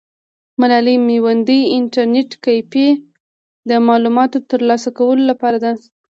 ملالۍ میوندي انټرنیټ کیفې د معلوماتو ترلاسه کولو لپاره ده.